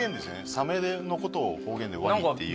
サメのことを方言でワニっていう。